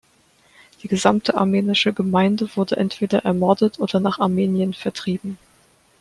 Die gesamte armenische Gemeinde wurde entweder ermordet oder nach Armenien vertrieben.